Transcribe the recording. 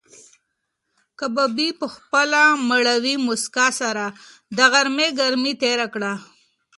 کبابي په خپله مړاوې موسکا سره د غرمې ګرمي تېره کړه.